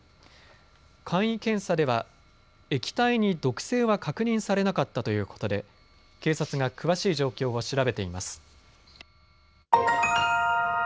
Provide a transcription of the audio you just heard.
簡易検査では液体に毒性は確認されなかったということで警察が詳しい状況を調べています。